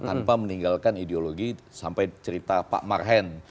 tanpa meninggalkan ideologi sampai cerita pak marhen